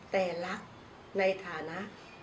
แต่รักในฐานะ